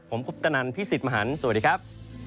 ผมคุปตนันพี่สิทธิ์มหันฯสวัสดีครับ